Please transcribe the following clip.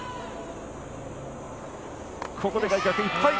ここで外角いっぱい。